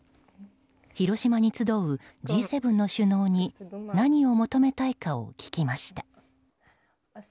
広島に集うＧ７の首脳に何を求めたいかを聞きました。